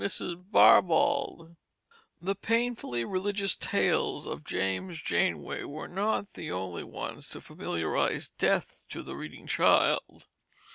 Page from The Juvenile Biographer] The painfully religious tales of James Janeway were not the only ones to familiarize death to the reading child.